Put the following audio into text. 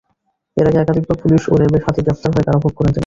এর আগে একাধিকবার পুলিশ ও র্যাবের হাতে গ্রেপ্তার হয়ে কারাভোগ করেন তিনি।